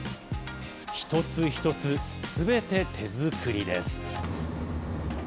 一つ一つ、すべて手作りです。